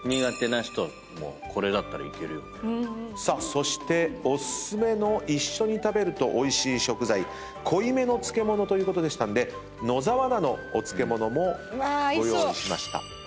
そしてお薦めの一緒に食べるとおいしい食材濃いめの漬物ということで野沢菜のお漬物もご用意しました。